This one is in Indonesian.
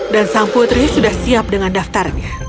dan sang putri sudah siap dengan daftarnya